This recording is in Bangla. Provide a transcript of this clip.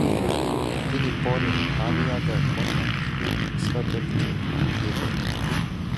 তিনি পরে আলি আগার কন্যা এমিন নুসরাতলিকে বিয়ে করেন।